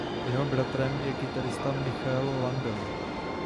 Jeho bratrem je kytarista Michael Landau.